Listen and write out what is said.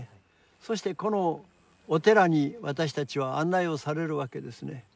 そしてこのお寺に私たちは案内をされるわけですね。